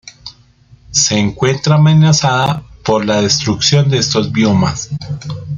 Se encuentra amenazada por la destrucción de estos biomas.